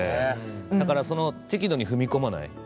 だから、適度に踏み込まない。